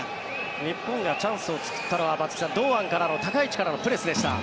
日本がチャンスを作ったのは堂安からの高い位置からのプレスでした。